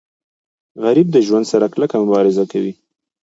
غریب د ژوند سره کلکه مبارزه کوي